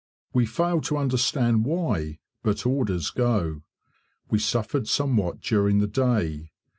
We fail to understand why, but orders go. We suffered somewhat during the day.